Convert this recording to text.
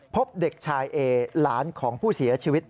พบเด็กชายเอหลานของผู้เสียชีวิต